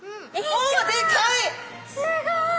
おでかい！